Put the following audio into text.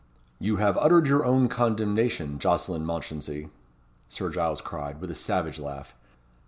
"You have uttered your own condemnation, Jocelyn Mounchensey," Sir Giles cried, with a savage laugh.